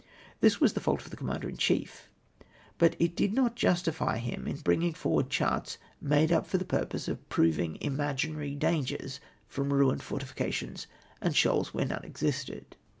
This was the fault of the Commander in chief, but it did not justify him in. bringing forward charts made up for the purpose of proving imaginary dangers from ruined fortifications and shoals where none existed.